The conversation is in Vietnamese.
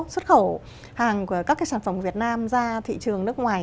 xuất khẩu hàng của các cái sản phẩm việt nam ra thị trường nước ngoài